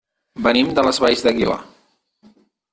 Venim de les Valls d'Aguilar.